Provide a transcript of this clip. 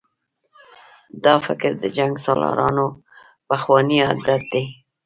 دا فکر د جنګسالارانو پخوانی عادت دی.